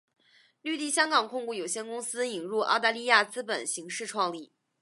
绿地香港控股有限公司引入澳大利亚资本形式创立。